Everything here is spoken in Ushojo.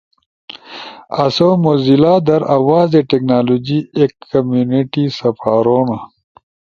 آسو موزیلا در آوازے ٹینکنالوجی ایک کمیونیٹی سپارونا۔